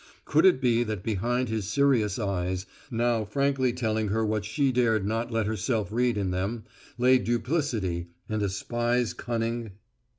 Could it be that behind his serious eyes, now frankly telling her what she dared not let herself read in them, lay duplicity and a spy's cunning?